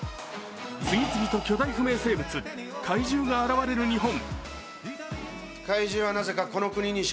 次々と巨大不明生物、禍威獣が現れる日本。